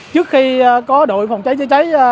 trước khi có đội phòng cháy chữa cháy